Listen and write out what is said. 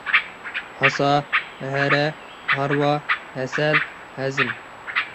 ھاسا، ھەرە، ھارۋا، ھەسەل، ھەزىم.